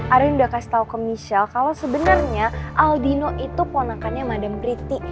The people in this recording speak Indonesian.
arin udah kasih tau ke michelle kalo sebenernya aldino itu ponakannya madam pretty